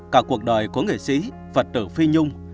cả cuộc đời của nghệ sĩ phật tử phi nhung